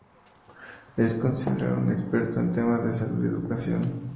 Es considerado un experto en temas de Salud y Educación.